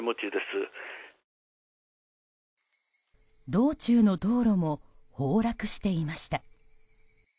道中の道路も崩落していました。